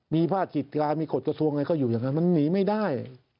มีภาคจิตรามีกฎกระทรวงอะไรก็อยู่อย่างนั้นมันหนีไม่ได้